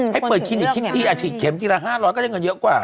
ให้เปิดคลินิกที่อาทิตย์เข็มที่ละ๕๐๐ก็จะเงินเยอะกว่า